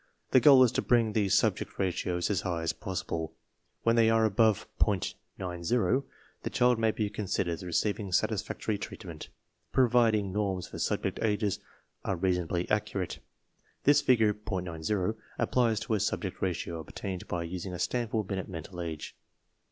The goal is to bring these Subject •> Ratios as high as possibly When they are above .90, the child jnay be considered as receiving satisfactory treatment, prov iding norm s for Subject Ages are reasonably accurate. (Thisjfigure, .90, applies to a Subject Ratio obtained by using a Stanford Binet Mental Age.)